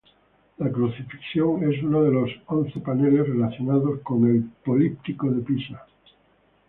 La "Crucifixión" es uno de los once paneles relacionados con el Políptico de Pisa.